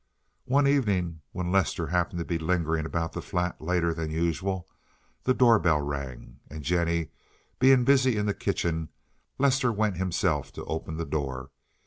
One evening when Lester happened to be lingering about the flat later than usual the door bell rang, and, Jennie being busy in the kitchen, Lester went himself to open the door.